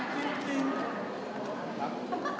ขอบคุณครับ